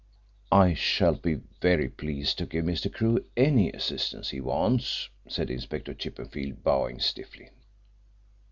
"I shall be very pleased to give Mr. Crewe any assistance he wants," said Inspector Chippenfield, bowing stiffly.